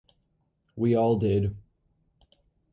We all did.